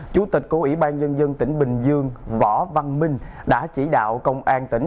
chủ tịch cố ủy ban nhân dân tỉnh bình dương võ văn minh đã chỉ đạo công an tỉnh